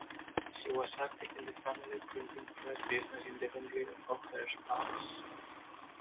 She was active in the family printing press business independently of her spouse.